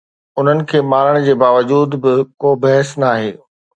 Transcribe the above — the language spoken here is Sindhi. انهن کي مارڻ جي باوجود به ڪو بحث ناهي